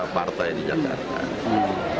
partai di jakarta